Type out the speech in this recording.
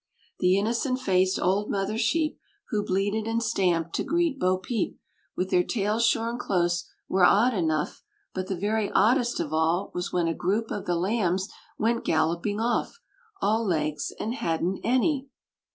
The innocent faced old mother sheep, Who bleated and stamped to greet Bo Peep, With their tails shorn close, were odd enough; But the very oddest of all was when a Group of the lambs went galloping off, All legs, and hadn't any!